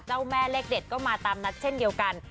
เจ้าแม่เลขเด็ดก็มาตามนัดเช่นเดียวกัน